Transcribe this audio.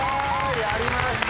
やりました